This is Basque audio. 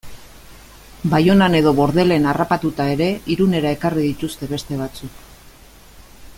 Baionan edo Bordelen harrapatuta ere Irunera ekarri dituzte beste batzuk...